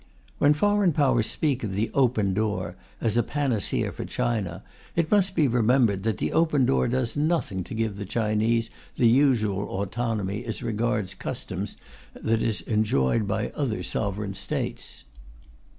When foreign Powers speak of the Open Door as a panacea for China, it must be remembered that the Open Door does nothing to give the Chinese the usual autonomy as regards Customs that is enjoyed by other sovereign States.